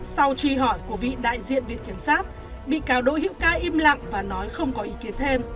sau truy hỏi của vị đại diện viện kiểm sát bị cáo đỗ hữu ca im lặng và nói không có ý kiến thêm